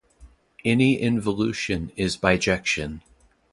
Any involution is a bijection.